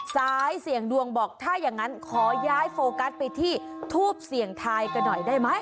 สายเสี่ยงดวงบอกถ้าอย่างนั้นขอย้ายโฟกัสไปที่ทูปเสี่ยงทายกันหน่อยได้ไหม